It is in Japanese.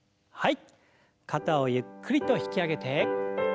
はい。